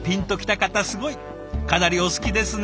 かなりお好きですね。